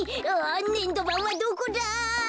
ねんどばんはどこだ！